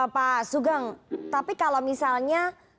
pak sugeng tapi kalau misalnya